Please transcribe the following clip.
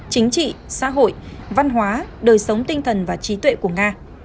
chính trị xã hội văn hóa đời sống tinh thần và trí tuệ của nga